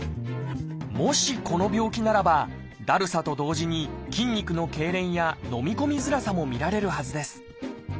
もしこの病気ならばだるさと同時に筋肉のけいれんや飲み込みづらさも見られるはずです。